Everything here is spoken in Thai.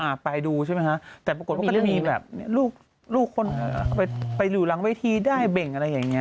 ก็ไปดูแต่ก็ปรากฏว่ามีลูกน้องเด็กไปหิวล้างเวทีได้เบ่ง